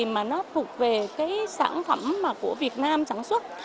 mà nó thuộc về cái sản phẩm mà của việt nam sản xuất